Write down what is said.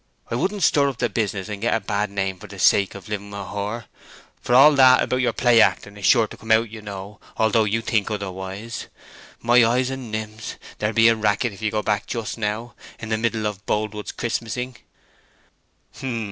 I wouldn't stir up the business and get a bad name for the sake of living with her—for all that about your play acting is sure to come out, you know, although you think otherwise. My eyes and limbs, there'll be a racket if you go back just now—in the middle of Boldwood's Christmasing!"